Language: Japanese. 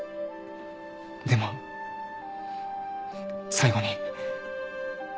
でも最後に。